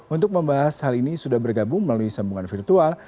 untuk membahas hal ini sudah bergabung melalui sambungan virtual